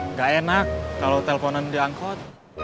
nggak enak kalau teleponan di angkot